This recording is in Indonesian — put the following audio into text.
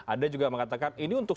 ada juga yang mengatakan ini untuk